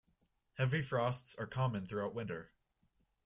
Heavy frosts are common throughout winter.